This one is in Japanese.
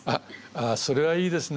それはいいですね。